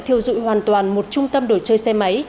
thiêu dụi hoàn toàn một trung tâm đồ chơi xe máy